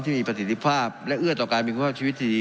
ประสิทธิภาพและเอื้อต่อการมีคุณภาพชีวิตที่ดี